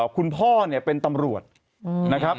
คุณพ่อเนี่ยเป็นตำรวจนะครับ